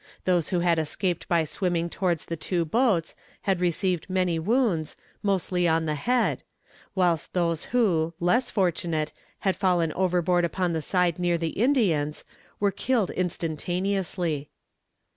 Those who had escaped by swimming towards the two boats had received many wounds, mostly on the head; whilst those who, less fortunate, had fallen overboard upon the side near the Indians, were killed instantaneously.